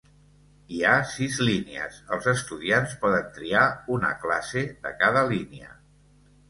Hi ha sis línies; els estudiants poden triar una classe de cada línia.